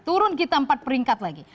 turun kita empat peringkat lagi